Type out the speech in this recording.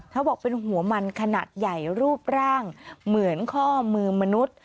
เขาบอกเป็นหัวมันขนาดใหญ่รูปร่างเหมือนข้อมือมนุษย์